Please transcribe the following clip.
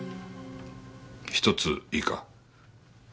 １ついいか？